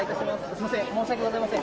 すみません、申し訳ございません。